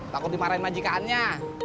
takut dimarahin majikannya